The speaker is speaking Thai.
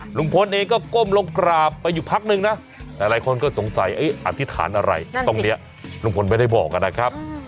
ลุงพลเองก็ก้มลงกราบไปอยู่พักนึงนะหลายคนก็สงสัยอธิษฐานอะไรตรงนี้ลุงพลไม่ได้บอกนะครับ